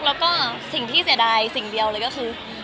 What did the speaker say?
แล้วก็สิ่งที่เสียดายสิ่งเดียวเลยก็คือ